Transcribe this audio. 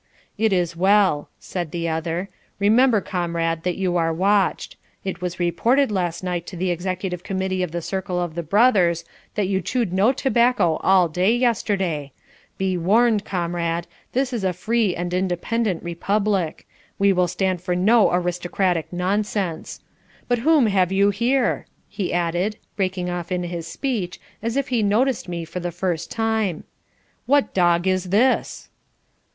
"It is well," said the other. "Remember comrade, that you are watched. It was reported last night to the Executive Committee of the Circle of the Brothers that you chewed no tobacco all day yesterday. Be warned, comrade. This is a free and independent republic. We will stand for no aristocratic nonsense. But whom have you here?" he added, breaking off in his speech, as if he noticed me for the first time. "What dog is this?"